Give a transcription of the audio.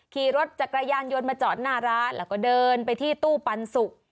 ขี่รถจักรยานยนต์มาจอดหน้าร้านแล้วก็เดินไปที่ตู้ปันสุก